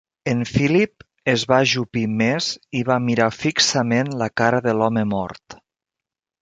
En Philip es va ajupir més i va mirar fixament la cara de l'home mort.